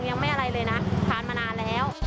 ยังไม่อะไรเลยนะทานมานานแล้ว